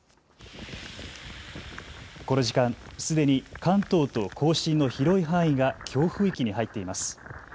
この時間、すでに関東と甲信の広い範囲が強風域に入っています。